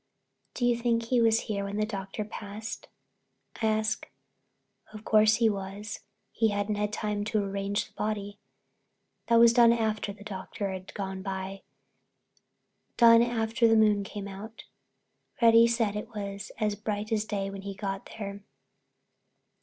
"Do you think he was there when the Doctor passed?" I asked. "Of course he was. He hadn't had time to arrange the body. That was done after the Doctor had gone by—done after the moon came out. Reddy said it was as bright as day when he got there.